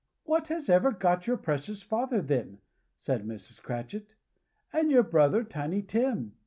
"What has ever got your precious father, then?" said Mrs. Cratchit. "And your brother, Tiny Tim!